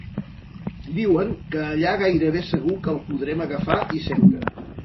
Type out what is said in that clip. Diuen que allà gairebé segur que el podrem agafar i seure.